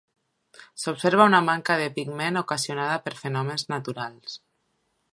S'observa una manca de pigment ocasionada per fenòmens naturals.